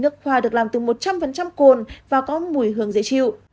nước khoa được làm từ một trăm linh cồn và có mùi hương dễ chịu